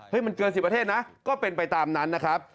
มันเกิน๑๐ประเทศนะก็เป็นไปตามนั้นนะครับ